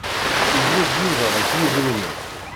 Yezweǧ Yuba ɣef yedrimen.